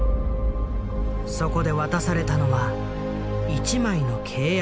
そこで渡されたのは１枚の契約書。